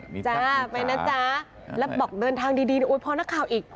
ไปนะจ๊ะแล้วบอกเดินทางดีพอนักข่าวอีก